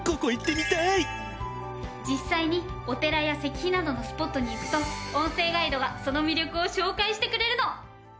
実際にお寺や石碑などのスポットに行くと音声ガイドがその魅力を紹介してくれるの！